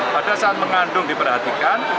pada saat mengandung diperhatikan